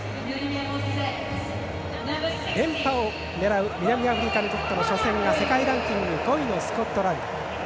連覇を狙う南アフリカにとっての初戦が世界ランキング５位のスコットランド。